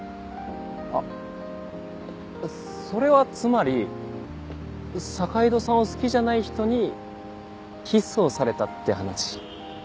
あそれはつまり坂井戸さんを好きじゃない人にキスをされたって話？